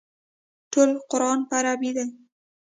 ټول قران په عربي دی.